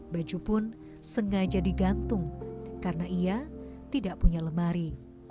baju pun sengaja digantung karena ia tidak punya lemari